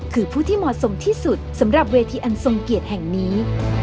คือผู้ที่เหมาะสมที่สุดสำหรับเวทีอันทรงเกียรติแห่งนี้